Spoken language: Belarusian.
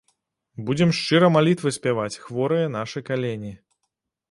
Будзем шчыра малітвы спяваць, хворыя нашы калені.